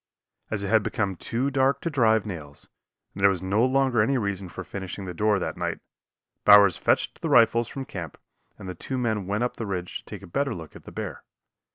As it had become too dark to drive nails, and there was no longer any reason for finishing the door that night, Bowers fetched the rifles from camp and the two men went up the ridge to take a better look at the bear.